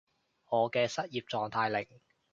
我嘅失業狀態令